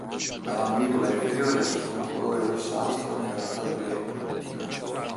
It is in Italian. La mandibola inferiore assume un colore rossastro nella stagione riproduttiva.